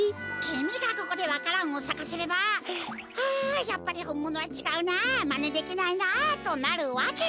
きみがここでわか蘭をさかせれば「ああやっぱりほんものはちがうなあまねできないなあ」となるわけだ。